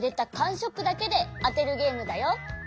しょくだけであてるゲームだよ。